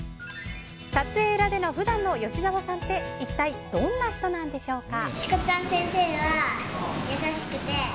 撮影裏での普段の吉沢さんって一体どんな人なんでしょうか。